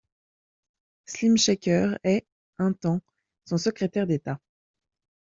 Slim Chaker est, un temps, son secrétaire d'État.